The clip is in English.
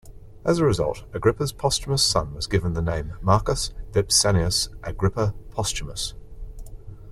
As a result, Agrippa's posthumous son was given the name Marcus Vipsanius Agrippa Postumus.